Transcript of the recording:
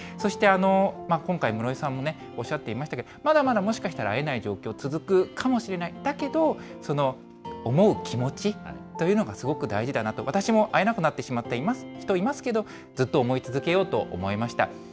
そして、今回、室井さんもおっしゃっていましたけれども、まだまだ会えない状況、続くかもしれない、だけど、その思う気持ちというのがすごく大事だなと、私も会えなくなってしまった人いますけど、ずっと思い続けようと思いました。